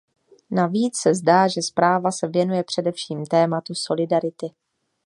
Navíc se zdá, že zpráva se věnuje především tématu solidarity.